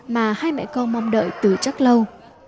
mà hai mẹ con mong đợi từ chắc lâu